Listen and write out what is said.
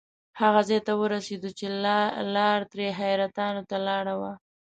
هغه ځای ته ورسېدو چې لار ترې حیرتانو ته لاړه وه.